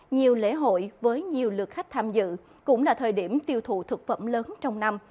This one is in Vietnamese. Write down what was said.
nhiều lễ hội với nhiều lượt khách tham dự cũng là thời điểm tiêu thụ thực phẩm lớn trong năm